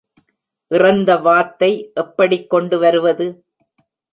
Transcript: இறந்த வாத்தை எப்படிக் கொண்டுவருவது?